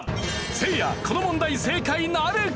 せいやこの問題正解なるか？